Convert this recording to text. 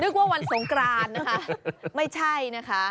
ว่าวันสงกรานนะคะไม่ใช่นะคะ